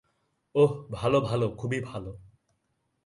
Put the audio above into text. ওহ ভালো ভালো, খুবই ভালো।